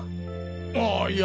ああいや